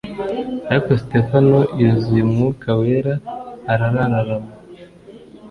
Ariko Sitefano yuzuye Umwuka Wera arararama